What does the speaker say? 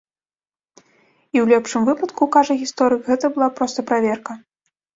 І ў лепшым выпадку, кажа гісторык, гэта была проста праверка.